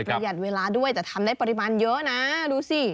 หยัดเวลาด้วยแต่ทำได้ปริมาณเยอะนะดูสิ